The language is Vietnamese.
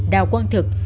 đào quang thực